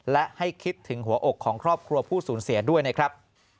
และให้คิดถึงหัวอกของครอบครัวผู้สูญเสียด้วยนะครับ